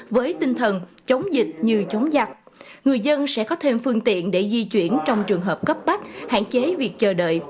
với tinh thần trách nhiệm doanh nghiệp trong giai đoạn đặc biệt của đất nước và thành phố